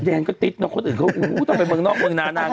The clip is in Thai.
เยนก็ติดแล้วคนอื่นเขาก็โอ้โฮต้องไปเมืองนอกเมืองน่าง